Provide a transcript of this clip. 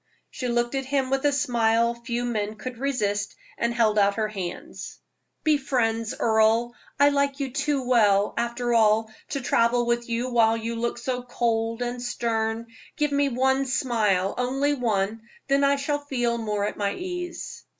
She looked at him with a smile few men could resist, and held out her hands. "Be friends, Earle; I like you too well, after all, to travel with you while you look so cold and stern. Give me one smile only one then I shall feel more at my ease."